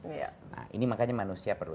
iya nah ini makanya manusia perlu